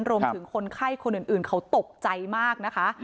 คนไข้คนอื่นเขาตกใจมากนะคะ